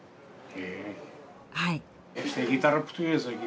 はい。